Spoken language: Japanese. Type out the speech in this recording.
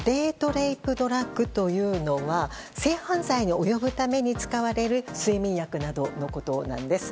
レイプドラッグというのは性被害に及ぶために使われる睡眠薬などのことなんです。